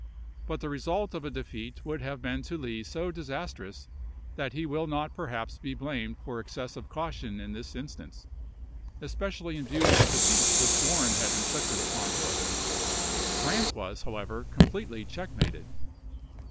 But the result of a defeat would have been to Lee so disastrous that he will not perhaps be blamed for excessive caution in this instance — especially in \dew of the defeat which Warren had inflicted upon Hill. Grant was, however, com pletely checkmated.